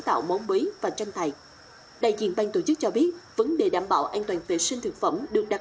bấy và tranh tài đại diện bang tổ chức cho biết vấn đề đảm bảo an toàn vệ sinh thực phẩm được đặt